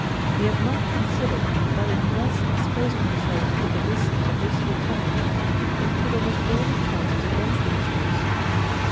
They have not considered that in thus exposing themselves to the risk of this alternative, they put almost all the chances against themselves.